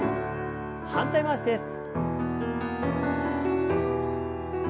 反対回しです。